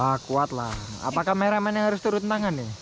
aku atlah apa kameramen yang harus turut tangan nih